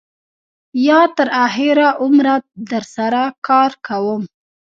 یا تر آخره عمره در سره کار کوم.